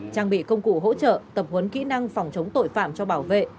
trang bị công cụ hỗ trợ tập huấn kỹ năng phòng chống tội phạm cho bảo vệ